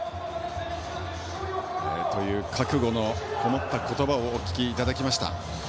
覚悟のこもった言葉をお聞きいただきました。